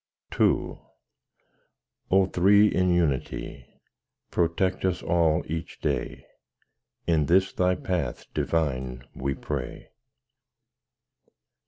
_ II O Three in Unity! Protect us all each day: In this Thy path divine we pray.